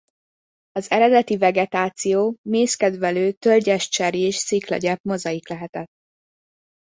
Az eredeti vegetáció mészkedvelő tölgyes-cserjés-sziklagyep mozaik lehetett.